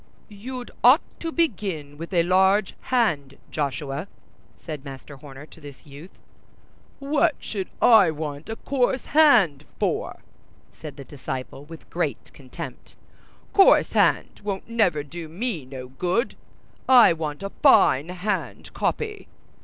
"You'd ought to begin with large hand, Joshuay," said Master Horner to this youth. "What should I want coarse hand for?" said the disciple, with great contempt; "coarse hand won't never do me no good. I want a fine hand copy."